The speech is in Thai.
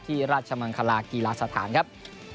ราชมังคลากีฬาสถานครับ